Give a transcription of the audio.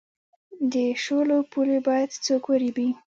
د شولو پولې باید څوک وریبي؟